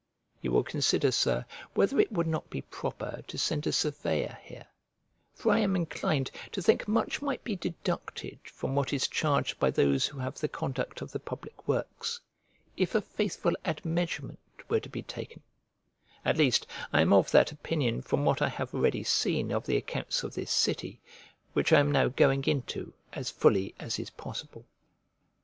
You will consider, Sir, whether it would not be proper to send a surveyor here; for I am inclined to think much might be deducted from what is charged by those who have the conduct of the public works if a faithful admeasurement were to be taken: at least I am of that opinion from what I have already seen of the accounts of this city, which I am now going into as fully as is possible.